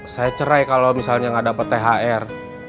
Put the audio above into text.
saya cerai kalau misalnya gak dapet thr